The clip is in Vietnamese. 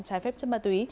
trái phép chất ma túy